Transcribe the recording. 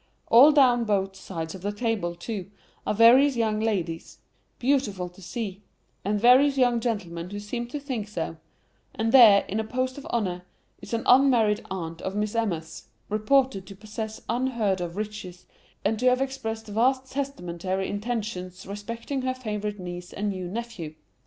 All down both sides of the table, too, are various young ladies, beautiful to see, and various young gentlemen who seem to think so; and there, in a post of honour, is an unmarried aunt of Miss Emma's, reported to possess unheard of riches, and to have expressed vast testamentary intentions respecting her favourite niece and new nephew.